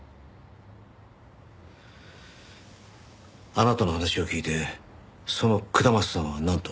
あなたの話を聞いてその下松さんはなんと？